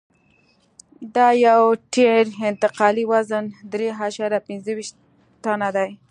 د یو ټیر انتقالي وزن درې اعشاریه پنځه ویشت ټنه دی